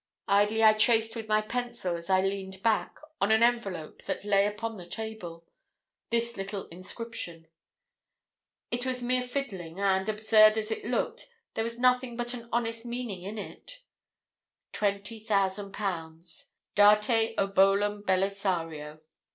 Idly I traced with my pencil, as I leaned back, on an envelope that lay upon the table, this little inscription. It was mere fiddling; and, absurd as it looked, there was nothing but an honest meaning in it: '20,000_l_. Date Obolum Belisario!'